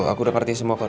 aku udah ngerti semua kor